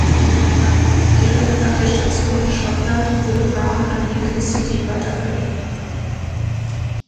Direkt nach der Station in Schottland wurde Brown an Lincoln City weiterverliehen.